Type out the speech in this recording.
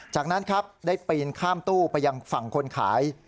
จากนั้นครับได้ปีนข้ามตู้ไปยังฝั่งคนขาย